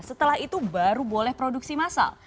setelah itu baru boleh produksi massal